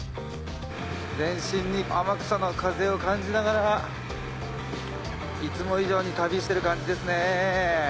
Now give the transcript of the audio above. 全身に天草の風を感じながらいつも以上に旅してる感じですね。